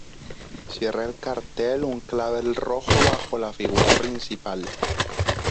Cierra el cartel un clavel rojo bajo la figura principal.